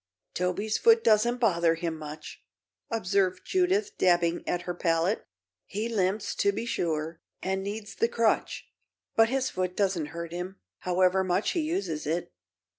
"Toby's foot doesn't bother him much," observed Judith, dabbing at her palette. "He limps, to be sure, and needs the crutch; but his foot doesn't hurt him, however much he uses it.